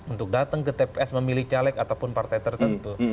untuk datang ke tps memilih caleg ataupun partai tertentu